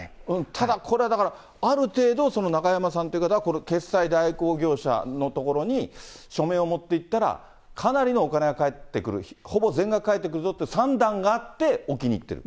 ただこれはだから、ある程度、その中山さんっていう方は、決済代行業者のところに書面を持っていったら、かなりのお金が返ってくる、ほぼ全額返ってくるぞって算段があって、置きにいってる。